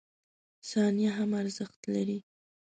• ثانیه هم ارزښت لري.